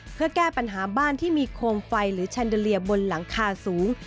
เพื่อแก้ปัญหาบ้านที่มีโคมไฟหรือแชนเดอเลียบนหลังคาสูง